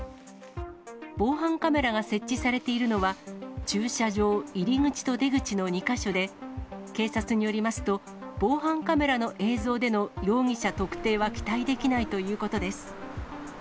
防犯カメラが設置されているのは、駐車場入り口と出口の２か所で、警察によりますと、防犯カメラの映像での容疑者特定は期待できないということです。